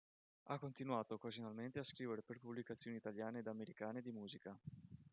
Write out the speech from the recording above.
Ha continuato occasionalmente a scrivere per pubblicazioni italiane ed americane di musica.